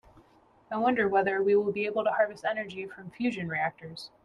I wonder whether we will be able to harvest energy from fusion reactors.